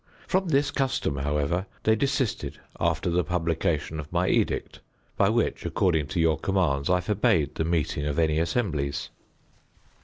From this custom, however, they desisted after the publication of my edict, by which, according to your commands, I forbade the meeting of any assemblies.